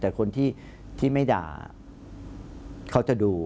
แต่คนที่ไม่ด่าเขาจะดู